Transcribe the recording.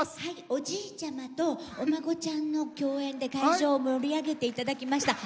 おじいちゃまとお孫ちゃんの共演で会場を盛り上げていただきました。